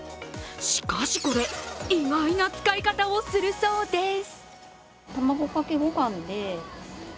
しかし、これ、意外な使い方をするそうです。